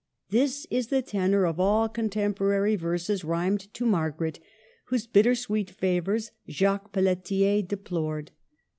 This is the tenor of all contemporary verses rhymed to Margaret, whose bitter sweet favors Jacques Pelletier de plored.